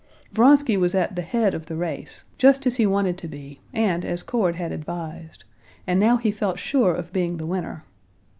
Vronsky was at the head of the race, just as he wanted to be and as Cord had advised, and now he felt sure of being the winner.